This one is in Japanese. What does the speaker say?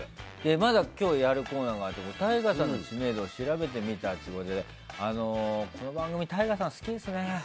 まだ今日やるコーナーがあってＴＡＩＧＡさんの知名度を調べてみたっていうことでこの番組ＴＡＩＧＡさんが好きですね。